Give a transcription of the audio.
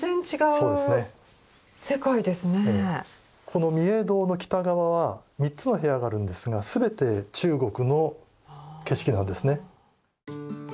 この御影堂の北側は３つの部屋があるんですが全て中国の景色なんですね。